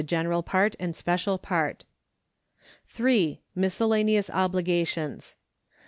General Part. \^ Special Part. 3. Miscellaneous Obligations.